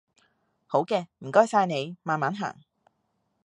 好嘅，唔該晒你，慢慢行